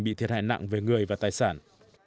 bị thiệt hại nặng về người và tài sản